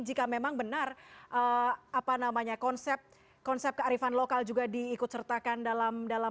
jika memang benar apa namanya konsep kearifan lokal juga diikut sertakan dalam perubahan